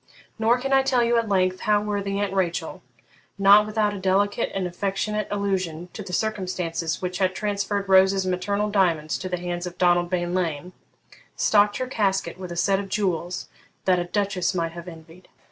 Nor can I tell you at length how worthy Aunt Rachel, not without a delicate and affectionate allusion to the circumstances which had transferred Rose's maternal diamonds to the hands of Donald Bean Lean, stocked her casket with a set of jewels that a duchess might have envied.